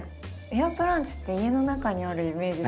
エアプランツって家の中にあるイメージ